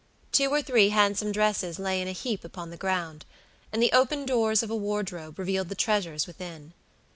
Two or three handsome dresses lay in a heap upon the ground, and the open doors of a wardrobe revealed the treasures within.